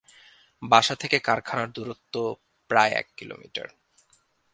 বাসা থেকে কারখানার দূরত্ব প্রায় এক কিলোমিটার।